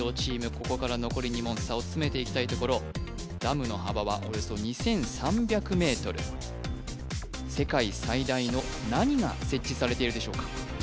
ここから残り２問差を詰めていきたいところダムの幅はおよそ２３００ｍ世界最大の何が設置されているでしょうか？